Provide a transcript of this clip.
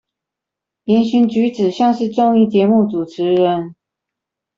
言行舉止像是綜藝節目主持人